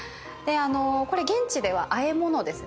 これ現地ではあえ物ですね。